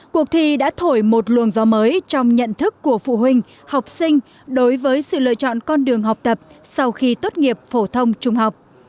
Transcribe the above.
cuộc thi đã thổi một luồng gió mới trong nhận thức của phụ huynh học sinh đối với sự lựa chọn con đường học tập sau khi tốt nghiệp phổ thông trung học